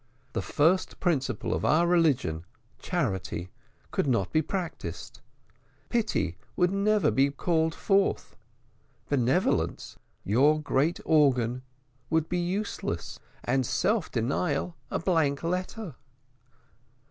The first principle of our religion, charity, could not be practised pity would never be called forth benevolence, your great organ, would be useless, and self denial a blank letter.